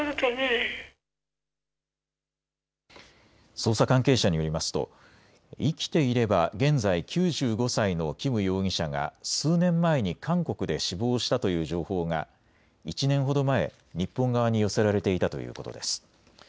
捜査関係者によりますと生きていれば現在９５歳の金容疑者が数年前に韓国で死亡したという情報が１年ほど前、日本側に寄せられていたということです。